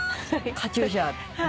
カチューシャで。